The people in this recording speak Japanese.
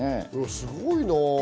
すごいな。